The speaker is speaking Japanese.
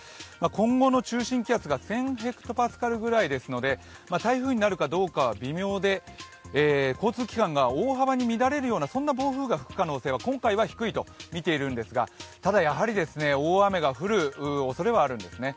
今後の中心気圧が１０００ｈＰａぐらいですので台風になるかどうかは微妙で交通機関が大幅に乱れるような、そんな暴風雨が吹き荒れる可能性は今回は低いとみているんですが、ただ大雨が降るおそれがあるんですね。